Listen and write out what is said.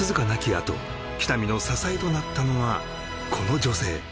あと喜多見の支えとなったのがこの女性